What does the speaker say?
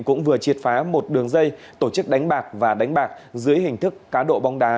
cũng vừa triệt phá một đường dây tổ chức đánh bạc và đánh bạc dưới hình thức cá độ bóng đá